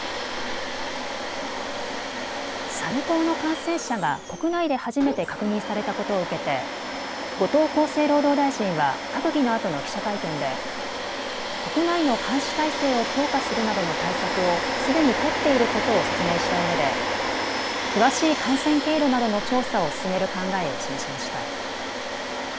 サル痘の感染者が国内で初めて確認されたことを受けて後藤厚生労働大臣は閣議のあとの記者会見で国内の監視体制を強化するなどの対策をすでに取っていることを説明したうえで詳しい感染経路などの調査を進める考えを示しました。